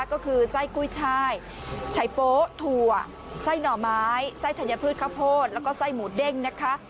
ก็คือไส้กุ้ยช่ายชัยโป๊ถั่วไส้หน่อไม้ไส้ธัญพืชข้าวโพดแล้วก็ไส้หมูเด้งนะคะ